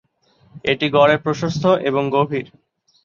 এটি গড়ে প্রশস্ত এবং গভীর।